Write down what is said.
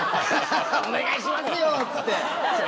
「お願いしますよ」つって。